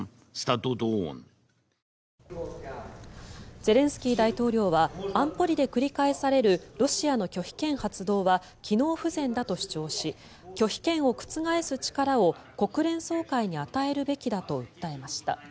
ゼレンスキー大統領は安保理で繰り返されるロシアの拒否権発動は機能不全だと主張し拒否権を覆す力を国連総会に与えるべきだと訴えました。